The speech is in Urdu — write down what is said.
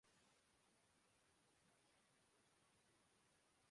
دنیا کے واحد نر سفید گینڈے کو مار دیا گیا